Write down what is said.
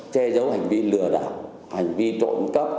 che giấu hành vi lừa đảo hành vi trộn cấp